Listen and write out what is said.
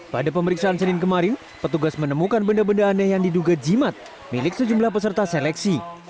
pada pemeriksaan senin kemarin petugas menemukan benda benda aneh yang diduga jimat milik sejumlah peserta seleksi